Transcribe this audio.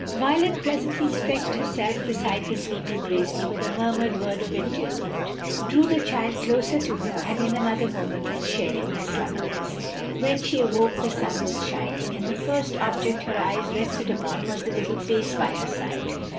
Violet presently stretched herself beside the sleeping Gracie with a murmured word of endearment drew the child closer to her, and in another moment was sharing her slumbers. When she awoke the sun was shining, and the first object her eyes rested upon was the little face by her side.